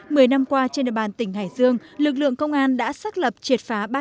mười năm qua trên đề bàn tỉnh hải dương lực lượng công an đã xác lập triệt pháp